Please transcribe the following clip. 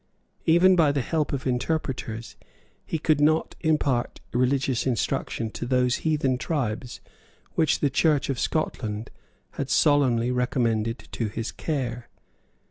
Even by the help of interpreters he could not impart religious instruction to those heathen tribes which the Church of Scotland had solemnly recommended to his care.